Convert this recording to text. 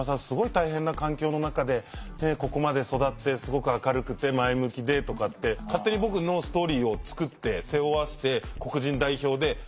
すごい大変な環境の中でここまで育ってすごく明るくて前向きで」とかって勝手に僕のストーリーを作って背負わして黒人代表で。